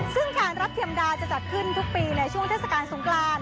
ซึ่งการรับเทียมดาจะจัดขึ้นทุกปีในช่วงเทศกาลสงกราน